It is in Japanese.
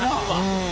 うん。